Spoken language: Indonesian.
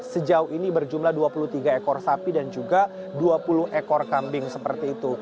sejauh ini berjumlah dua puluh tiga ekor sapi dan juga dua puluh ekor kambing seperti itu